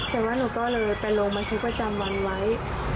แต่ว่าหนูก็เลยไปลงมาฉันก็จำวันไว้